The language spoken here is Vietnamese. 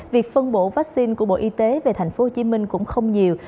việc phân bổ vaccine của bộ y tế về thành phố hồ chí minh cũng không nhiều